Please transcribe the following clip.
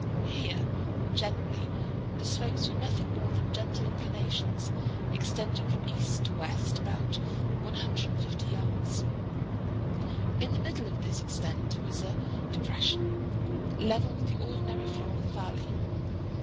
Here, generally, the slopes were nothing more than gentle inclinations, extending from east to west about one hundred and fifty yards. In the middle of this extent was a depression, level with the ordinary floor of the valley.